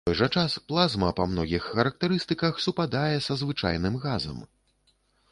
У той жа час, плазма па многіх характарыстыках супадае са звычайным газам.